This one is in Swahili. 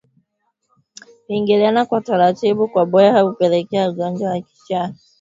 Kuingiliana kwa karibu kwa mbweha hupelekea ugonjwa wa kichaa cha mbwa kutokea